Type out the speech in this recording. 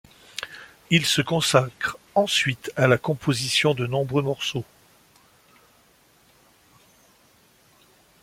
Il se consacre ensuite à la composition de nombreux morceaux.